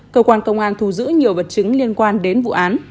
cơ quan công an thu giữ nhiều vật chứng liên quan đến vụ án